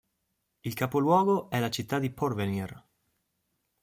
Il capoluogo è la città di Porvenir.